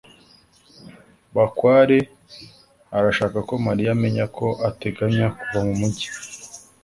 bakware arashaka ko mariya amenya ko ateganya kuva mu mujyi